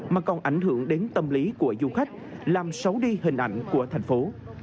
mà còn ảnh hưởng đến tâm lý của du khách làm xấu đi hình ảnh của thành phố